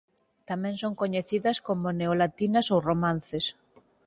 Tamén son coñecidas como neolatinas ou romances.